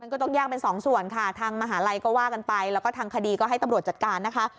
ก็ต้องแยกเป็นสองส่วนค่ะทางมหาลัยก็ว่ากันไปแล้วก็ทางคดีก็ให้ตำรวจจัดการนะคะ